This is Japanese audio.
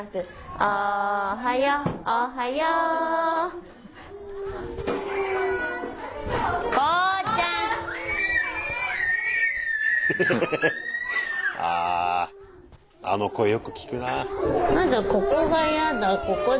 あああの声よく聞くなあ。